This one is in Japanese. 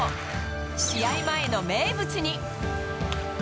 試合前の名物に。